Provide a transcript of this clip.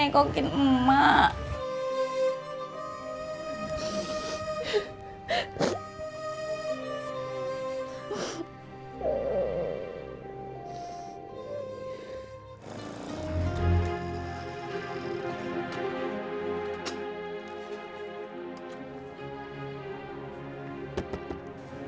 tati bakal tahan emak juga ngeri